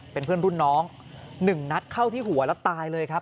เป็นเพื่อนรุ่นน้อง๑นัดเข้าที่หัวแล้วตายเลยครับ